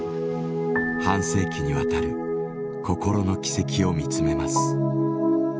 半世紀にわたる心の軌跡を見つめます。